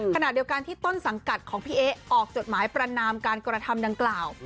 ขณะเดียวกันที่ต้นสังกัดของพี่เอ๊ะออกจดหมายประนามการกระทำดังกล่าว